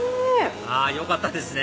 あよかったですね！